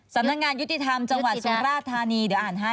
สำนักงานยุติธรรมจังหวัดสุราธานีเดี๋ยวอ่านให้